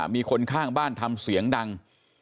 มีคนข้างบ้านทำเสียงดัง